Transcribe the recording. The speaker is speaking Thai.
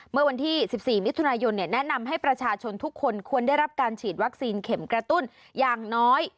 เมื่อวันที่๑๔มิถุนายนแนะนำให้ประชาชนทุกคนควรได้รับการฉีดวัคซีนเข็มกระตุ้นอย่างน้อย